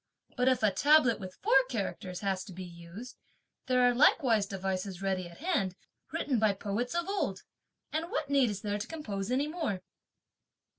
But if a tablet with four characters has to be used, there are likewise devices ready at hand, written by poets of old; and what need is there to compose any more?"